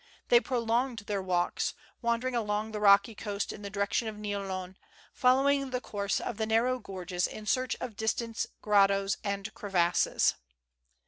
They prolonged their walks, wandering along the rocky coast in the direction of Niolon, follow ing the course of the narrow gorges in search of distant grottoes and crevasses.